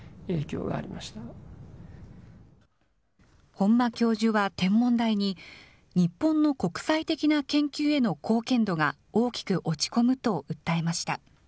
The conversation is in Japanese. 本間教授は天文台に、日本の国際的な研究への貢献度が大きく落ち込むと訴えました。